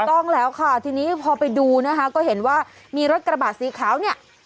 ต้องแล้วค่ะทีนี้พอไปดูนะคะก็เห็นว่ามีรถกระบาดสีขาวเนี่ย